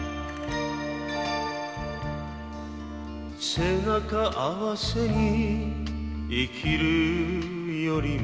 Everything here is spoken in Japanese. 「背中あわせに生きるよりも」